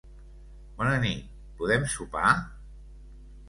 Bona nit. Podem sopar?